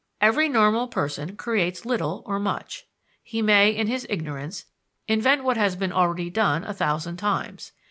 Every normal person creates little or much. He may, in his ignorance, invent what has been already done a thousand times.